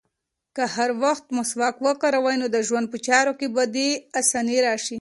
که هر وخت مسواک وکاروې، د ژوند په چارو کې به دې اساني راشي.